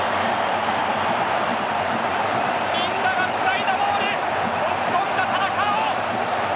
みんながつないだボール押し込んだ田中碧！